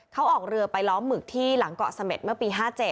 เขาออกเรือไปล้อมหมึกที่หลังเกาะเสม็ดเมื่อปี๕๗